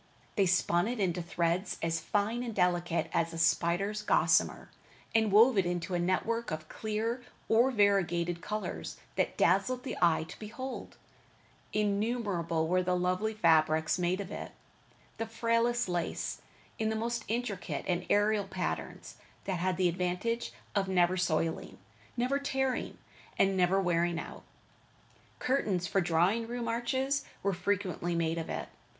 They spun it into threads as fine and delicate as a spider's gossamer, and wove it into a network of clear or variegated colors that dazzled the eye to behold. Innumerable were the lovely fabrics made of it. The frailest lace, in the most intricate and aerial patterns, that had the advantage of never soiling, never tearing, and never wearing out. Curtains for drawing room arches were frequently made of it.